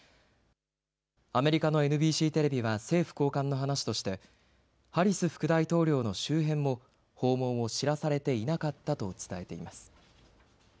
アメリカのＮＢＣテレビは政府高官の話としてハリス副大統領の周辺も訪問を知らされていなかったと伝えています。